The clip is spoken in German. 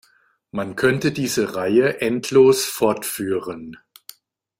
Man könnte diese Reihe endlos fortführen.